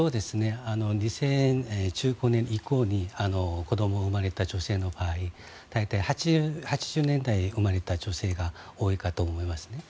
２０１５年以降に子供を産まれた女性の場合大体、８０年代に産まれた女性が多いかと思いますね。